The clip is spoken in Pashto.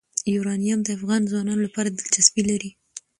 یورانیم د افغان ځوانانو لپاره دلچسپي لري.